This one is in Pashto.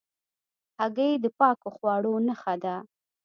هګۍ د پاکو خواړو نښه ده.